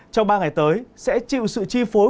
trong ba ngày tới sẽ chịu sự chi phối